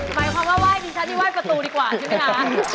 หมายความว่าไห้ดิฉันนี่ไห้ประตูดีกว่าใช่ไหมคะ